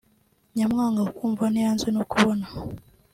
nyamwanga kumva ntiyanze no kubona